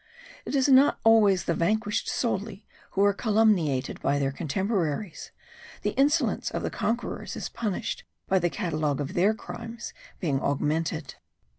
It is not always the vanquished solely, who are calumniated by their contemporaries; the insolence of the conquerors is punished by the catalogue of their crimes being augmented.